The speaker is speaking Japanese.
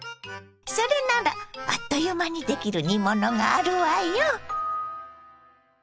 それならあっという間にできる煮物があるわよ。